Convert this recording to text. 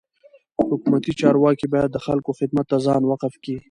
حکومتي چارواکي باید د خلکو خدمت ته ځان وقف کي.